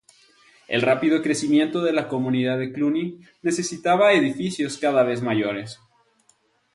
El rápido crecimiento de la comunidad de Cluny necesitaba edificios cada vez mayores.